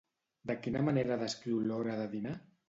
De quina manera descriu l'hora de dinar?